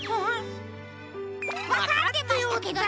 わかってましたけどね！